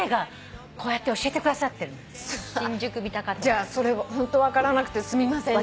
じゃあそれ分からなくてすみませんでした。